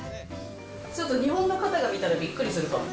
ちょっと日本の方が見たらびっくりするかも。